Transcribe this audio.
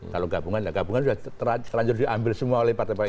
kalau gabungan gabungan itu sudah terlanjur diambil semua oleh partai partai itu